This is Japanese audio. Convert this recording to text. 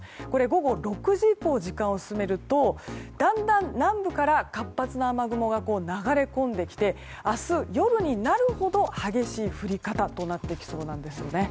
午後６時以降、時間を進めるとだんだん南部から活発な雨雲が流れ込んできて明日、夜になるほど激しい降り方となってきそうなんです。